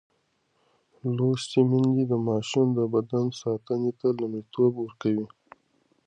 لوستې میندې د ماشوم د بدن ساتنې ته لومړیتوب ورکوي.